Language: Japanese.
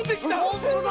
本当だ！